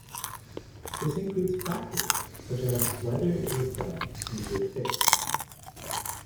This includes factors such as whether it was done in good faith.